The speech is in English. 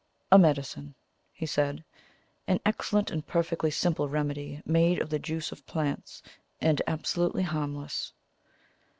"A medicine," he said. "An excellent and perfectly simple remedy made of the juice of plants, and absolutely harmless."